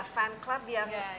fan club yang